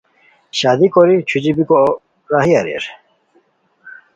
شادی کوری چھوچی بیکو راہی اریر